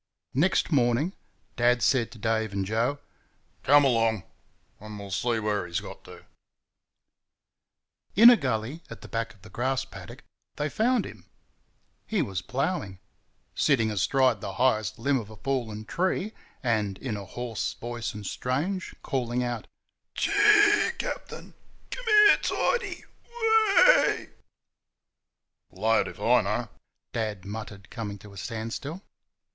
Next morning, Dad said to Dave and Joe, "Come 'long, and we'll see where he's got to." In a gully at the back of the grass paddock they found him. He was ploughing sitting astride the highest limb of a fallen tree, and, in a hoarse voice and strange, calling out "Gee, Captain! come here, Tidy! WA AY!" "Blowed if I know," Dad muttered, coming to a standstill.